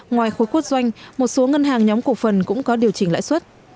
ngoài khối quốc doanh một số ngân hàng nhóm cụ phần cũng có điều chỉnh lãi xuất